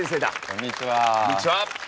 こんにちは。